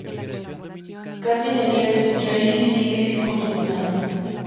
Cathy se niega a escuchar y sigue con su plan.